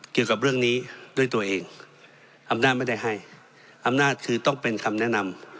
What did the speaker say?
เกี่ยวกับเรื่องนี้ด้วยตัวเองอำนาจไม่ได้ให้อำนาจคือต้องเป็นคำแนะนำ